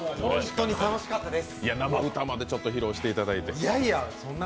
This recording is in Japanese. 本当に楽しかったです